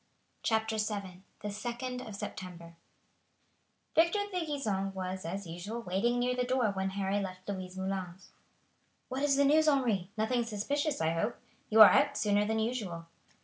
CHAPTER VII The 2d of September Victor de Gisons was, as usual, waiting near the door when Harry left Louise Moulin's. "What is the news, Henri? Nothing suspicious, I hope? You are out sooner than usual."